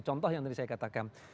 contoh yang tadi saya katakan